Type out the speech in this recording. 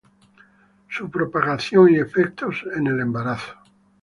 su propagación y sus efectos en el embarazo